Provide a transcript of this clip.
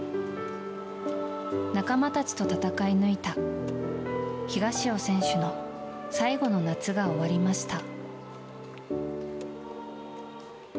仲間たちと戦い抜いた東尾選手の最後の夏が終わりました。